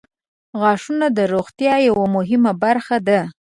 • غاښونه د روغتیا یوه مهمه برخه ده.